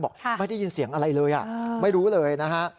บอกไม่ได้ยินเสียงอะไรเลยไม่รู้เลยนะฮะ